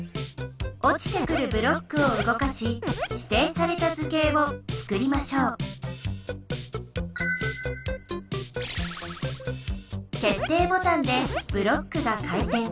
おちてくるブロックをうごかししていされた図形をつくりましょうけっていボタンでブロックが回転。